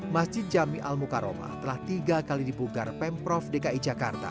masjid jami al mukaromah telah tiga kali dibugar pemprov dki jakarta